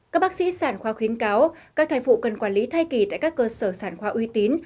các bác sĩ sản khoa khuyến cáo các thai phụ cần quản lý thai kỳ tại các cơ sở sản khoa uy tín